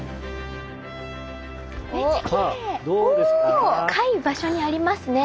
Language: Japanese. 高い場所にありますね。